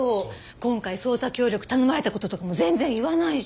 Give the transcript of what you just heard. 今回捜査協力頼まれた事とかも全然言わないし。